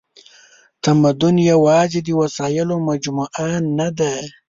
تمدن یواځې د وسایلو مجموعه نهده.